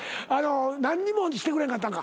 何にもしてくれんかったんか。